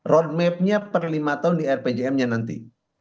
road map nya per lima tahun di rpjp nya nanti